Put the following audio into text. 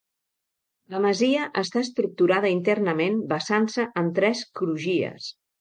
La masia està estructurada internament basant-se en tres crugies.